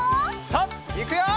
さあいくよ！